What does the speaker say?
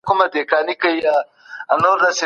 غذايي خوندیتوب د روغتیا بنسټ دی.